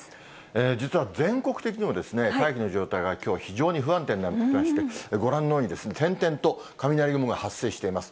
実は全国的にも大気の状態がきょう、非常に不安定になってまして、ご覧のように、点々と雷雲が発生しています。